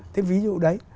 thì ví dụ đấy